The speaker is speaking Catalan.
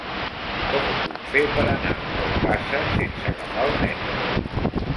Com ho puc fer per anar a Ogassa sense agafar el metro?